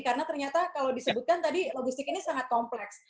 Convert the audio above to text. karena ternyata kalau disebutkan tadi logistik ini sangat kompleks